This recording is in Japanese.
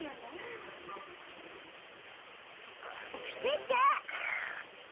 みっけ！